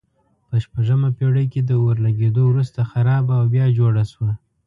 په شپږمه پېړۍ کې د اور لګېدو وروسته خرابه او بیا جوړه شوه.